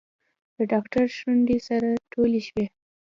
د ډاکتر شونډې سره ټولې شوې.